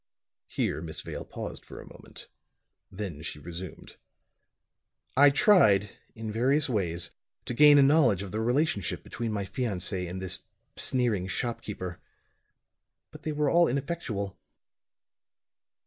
Here Miss Vale paused for a moment. Then she resumed: "I tried, in various ways, to gain a knowledge of the relationship between my fiancé and this sneering shopkeeper; but they were all ineffectual.